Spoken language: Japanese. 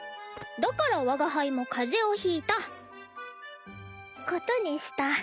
だから我が輩も風邪をひいたことにした。